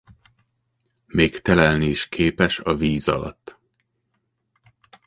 Még telelni is képes a víz alatt.